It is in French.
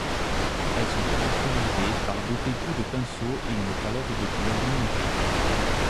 Elles sont caractérisées par d’épais coups de pinceau et une palette de couleurs limitée.